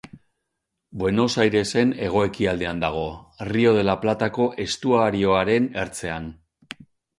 Buenos Airesen hego-ekialdean dago, Rio de la Platako estuarioaren ertzean.